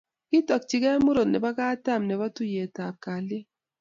Kitokchikei murot nebo katam nebo tuiyetab kalyet